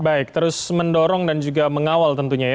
baik terus mendorong dan juga mengawal tentunya ya